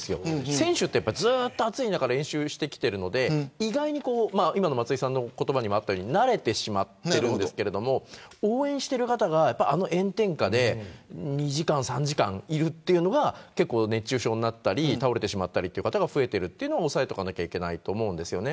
選手はずっと暑い中練習してきているので意外に慣れてしまっているんですけど応援している方が、あの炎天下で２時間、３時間いるというのが熱中症になったり倒れてしまったりという方が増えているというのも押さえなければいけません。